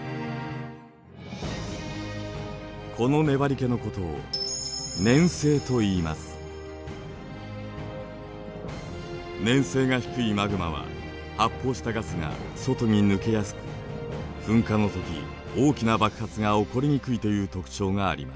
この粘りけのことを粘性が低いマグマは発泡したガスが外に抜けやすく噴火の時大きな爆発が起こりにくいという特徴があります。